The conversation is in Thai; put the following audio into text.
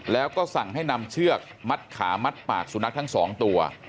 แล้วก็สั่งให้นำเชือกมัดขามัดปากสุนัขทั้ง๒ตัว